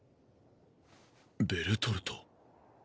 ベルトルト。